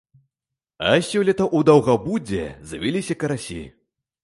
А сёлета у даўгабудзе завяліся карасі.